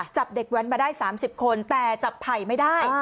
จับเด็กแว้นมาได้๓๐คนแต่จับไผ่ไม่ได้